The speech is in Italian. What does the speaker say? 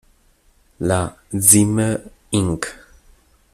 La Zimmer Inc.